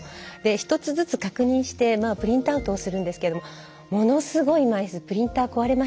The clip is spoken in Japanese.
一つずつ確認してプリントアウトをするんですけれどもものすごい枚数プリンター壊れましたからね。